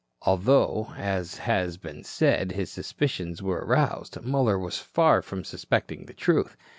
Although, as has been said, his suspicions were aroused, Muller was far from suspecting the truth.